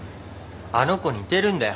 あの子似てるんだよ